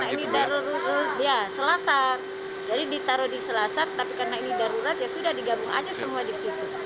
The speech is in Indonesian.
jadi ditaruh di selasar tapi karena ini darurat ya sudah digabung aja semua di situ